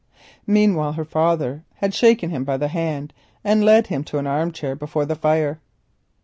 Meanwhile her father had shaken him by the hand, and led him to an armchair before the fire.